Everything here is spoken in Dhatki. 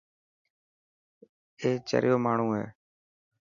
اي چريو ماڻهو هي.